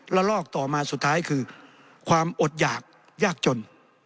ลอกต่อมาสุดท้ายคือความอดหยากยากจน